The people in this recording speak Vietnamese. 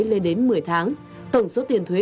lên đến một mươi tháng tổng số tiền thuế